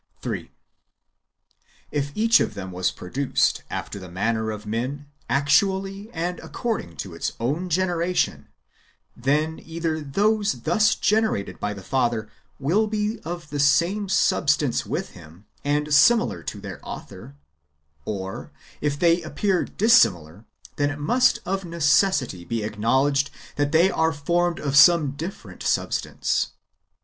3. If each of them was produced, after the manner of men, actually and according to its own generation, then either those thus generated by the Father will be of the same sub stance w^ith Him, and similar to their Author; or if "" they appear dissimilar, then it must of necessity be acknowledged that they are [formed] of some different substance.